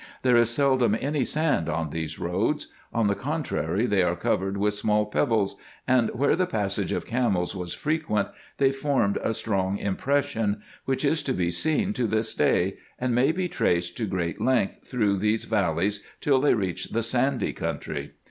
There is seldom any sand on these roads ; on the contrary they are covered with small pebbles, and where the passage of camels was frequent, they formed a strong impression, which is to be seen to this day, and may be traced to great length through those valleys till they reach the sandy country.